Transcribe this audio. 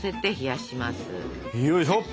よいしょ。